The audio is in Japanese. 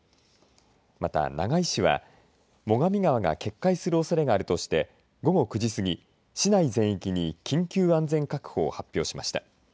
また、長井市は最上川が決壊するおそれがあるとして午後９時過ぎ、市内全域に緊急安全確保を発表しました。